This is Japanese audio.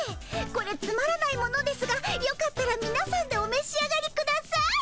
これつまらないものですがよかったらみなさんでおめし上がりください。